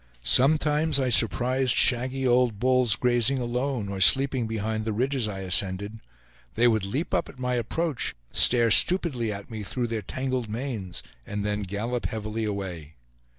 Sometimes I surprised shaggy old bulls grazing alone, or sleeping behind the ridges I ascended. They would leap up at my approach, stare stupidly at me through their tangled manes, and then gallop heavily away.